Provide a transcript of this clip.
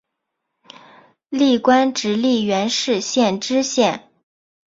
历官直隶元氏县知县。